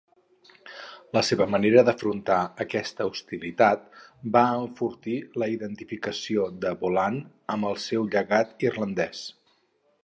La seva manera d'afrontar aquesta hostilitat va enfortir la identificació de Boland amb el seu llegat irlandès.